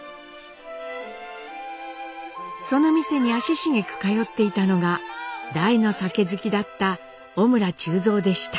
その店に足しげく通っていたのが大の酒好きだった小村忠蔵でした。